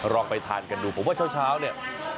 ลองไปทานกันดูผมว่าเช้าเนี่ย